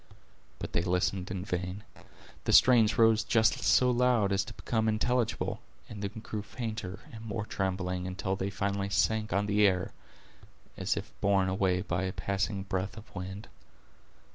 But they listened in vain. The strains rose just so loud as to become intelligible, and then grew fainter and more trembling, until they finally sank on the ear, as if borne away by a passing breath of wind.